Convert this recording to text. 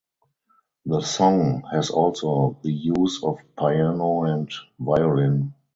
The song has also the use of Piano and Violin.